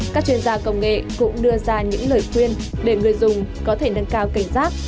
các chuyên gia công nghệ cũng đưa ra những lời khuyên để người dùng có thể nâng cao cảnh giác